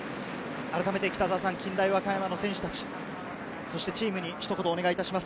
あらためて近大和歌山の選手達、そしてチームにひと言、お願いいたします。